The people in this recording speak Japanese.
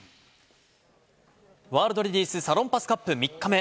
ワールドレディスサロンパスカップ３日目。